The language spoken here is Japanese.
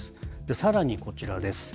さらにこちらです。